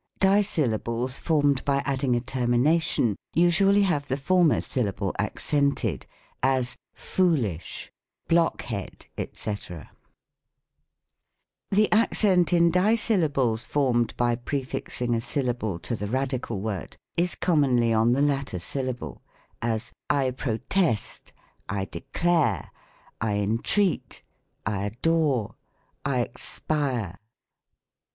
Dissyllables, formed by adding a termination, usually have the former syllable accented : as, " Foolish, block head," &c. 1 PROSODY. 105 The accent in dissyllables, formed by prefixing a syllable to the radical word, is commonly on the latter syllable: as, "I protest, I declare, I entreat, I adoie, I expire." ALL FOR LOVE.